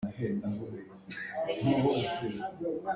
Ar an pul.